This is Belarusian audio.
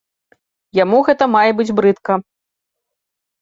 Яму гэта мае быць брыдка.